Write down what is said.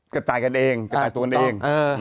กระจายกันเอง